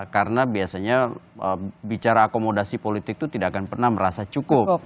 karena biasanya bicara akomodasi politik itu tidak akan pernah merasa cukup